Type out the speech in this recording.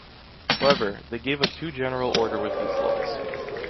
However, they gave a too general order with these laws.